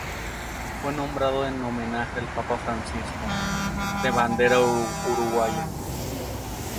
Fue nombrado en homenaje al Papa Francisco, de bandera uruguaya.